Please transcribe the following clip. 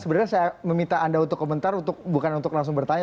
sebenarnya saya meminta anda untuk komentar bukan untuk langsung bertanya